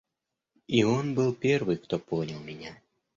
И он был первый, кто понял меня.